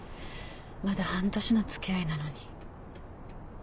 まだ半年の付き合いなのに。